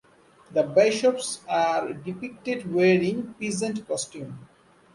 The bishops are depicted wearing peasant costume.